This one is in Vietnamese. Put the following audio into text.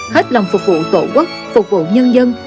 hết lòng phục vụ tổ quốc phục vụ nhân dân